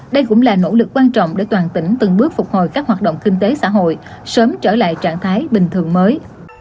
đây cũng là nỗ lực quan trọng để toàn tỉnh từng bước phục hồi các hoạt động kinh tế xã hội sớm trở lại trạng thái bình thường mới